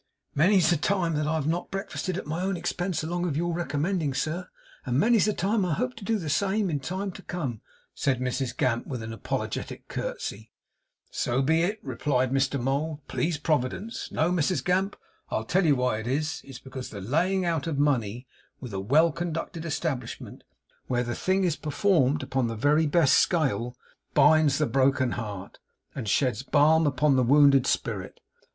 'Many's the time that I've not breakfasted at my own expense along of your recommending, sir; and many's the time I hope to do the same in time to come,' said Mrs Gamp, with an apologetic curtsey. 'So be it,' replied Mr Mould, 'please Providence. No, Mrs Gamp; I'll tell you why it is. It's because the laying out of money with a well conducted establishment, where the thing is performed upon the very best scale, binds the broken heart, and sheds balm upon the wounded spirit.